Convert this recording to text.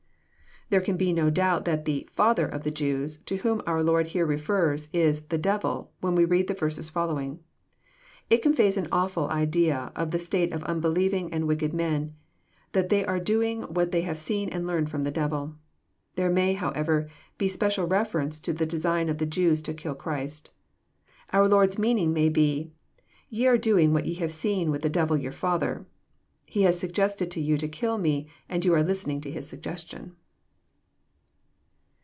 There can be no doubt that the father" of the Jews, to whom our Lord here refers, is " the devil," when we read the verses following. It conveys an awfhl idea of the state of unbelieving and wicked men, that they are doing what they have seen and learned from the devil. There may, however, be special reference to the design of the Jews to kill Christ. Our Lord's meaning may be, Ye are doing what ye have seen with the devil your father. He has suggested to you to kill Me, and you are listening to his suggestion."